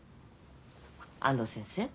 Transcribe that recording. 安藤先生